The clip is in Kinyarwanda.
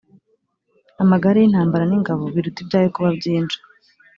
amagare y’intambara n’ingabo biruta ibyawe kuba byinshi,